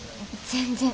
全然。